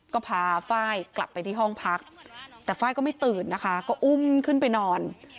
ก็พาไฟล์กลับไปที่ห้องพักแต่ไฟล์ก็ไม่ตื่นนะคะก็อุ้มขึ้นไปนอน